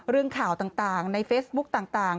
เรื่องข่าวต่างในเฟซบุ๊กต่าง